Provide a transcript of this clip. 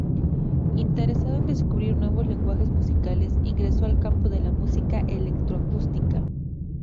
Interesado en descubrir nuevos lenguajes musicales, ingresó al campo de la música electroacústica.